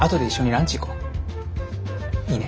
いいね？